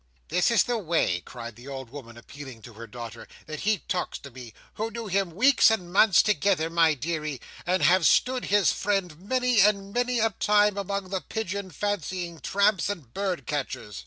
"This is the way," cried the old woman, appealing to her daughter, "that he talks to me, who knew him weeks and months together, my deary, and have stood his friend many and many a time among the pigeon fancying tramps and bird catchers."